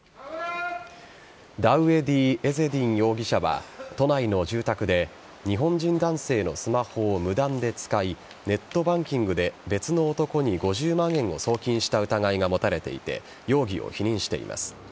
ダウエディ・エゼディン容疑者は都内の住宅で日本人男性のスマホを無断で使いネットバンキングで別の男に５０万円を送金した疑いが持たれていて容疑を否認しています。